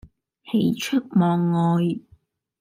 喜出望外